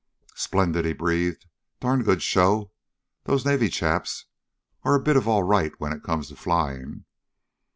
"Splendid!" he breathed. "Darn good show. Those Navy chaps are a bit of all right when it comes to flying."